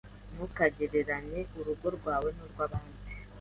Ntukagereranye urugo rwawe n’urw’abandi